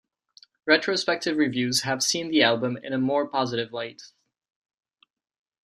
Retrospective reviews have seen the album in a more positive light.